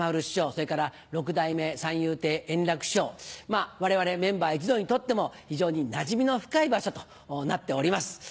それから六代目三遊亭円楽師匠我々メンバー一同にとっても非常になじみの深い場所となっております。